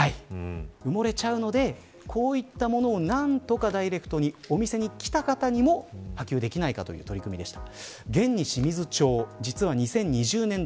埋もれちゃうのでこういったものを何とかダイレクトに、お店に来た方にも発揮できないかという取り組みでした。